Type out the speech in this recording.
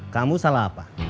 kamu salah apa